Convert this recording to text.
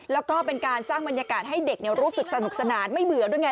แล้วก็เป็นการสร้างบรรยากาศให้เด็กรู้สึกสนุกสนานไม่เบื่อด้วยไง